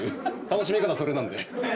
楽しみ方それなんで。